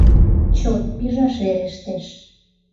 Чот пижаш верештеш...